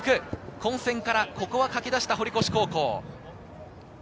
混戦からかき出した堀越高校。